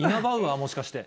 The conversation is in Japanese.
もしかして。